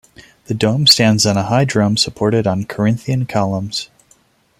The dome stands on a high drum supported on Corinthian columns.